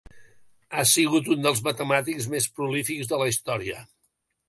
Ha sigut un dels matemàtics més prolífics de la història.